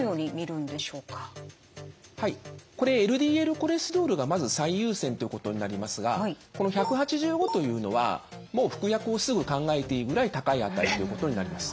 これＬＤＬコレステロールがまず最優先ということになりますがこの１８５というのはもう服薬をすぐ考えていいぐらい高い値ということになります。